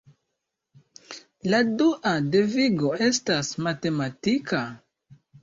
La dua devigo estas matematika.